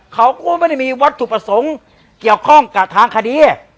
เขาก็ไม่ได้มีวัตถุประสงค์เกี่ยวข้องกับทางคดี